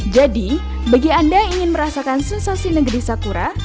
jadi bagi anda yang ingin merasakan sensasi negeri surabaya